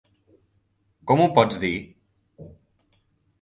Com ho pots dir?